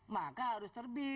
maka harus terbit